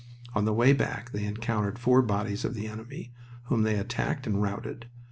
On the way back they encountered four bodies of the enemy, whom they attacked and routed.